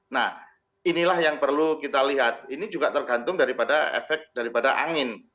nah inilah yang perlu kita lihat ini juga tergantung daripada efek daripada angin